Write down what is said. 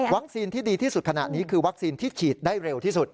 ที่ดีที่สุดขณะนี้คือวัคซีนที่ฉีดได้เร็วที่สุด